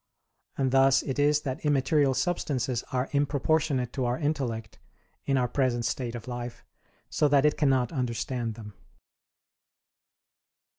And thus it is that immaterial substances are improportionate to our intellect, in our present state of life, so that it cannot understand them.